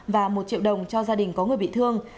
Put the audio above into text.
và một triệu đồng cho gia đình có người bị thương